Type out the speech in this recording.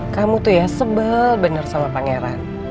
kamu tuh ya sebel bener sama pangeran